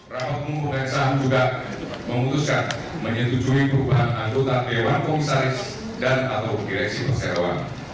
rapat umum pemeriksaan juga memutuskan menyetujui perubahan anggota dewan komisaris dan atau direksi perseroan